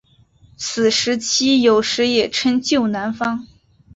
此时期有时也称旧南方。